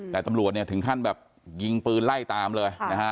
แต่ตำรวจเนี่ยถึงขั้นแบบยิงปืนไล่ตามเลยนะฮะ